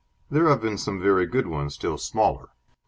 There have been some very good ones still smaller.